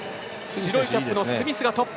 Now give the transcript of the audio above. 白いキャップのスミスがトップ。